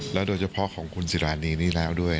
โดยเฉพาะของคุณศิรานีนี้แล้วด้วย